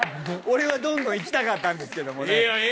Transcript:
俺はどんどんいきたかったんですけどもね。